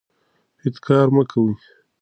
احتکار مه کوئ.